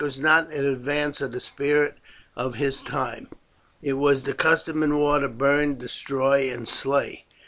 Beric was not in advance of the spirit of his time. It was the custom in war to burn, destroy, and slay.